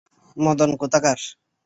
মদন কোথাকার!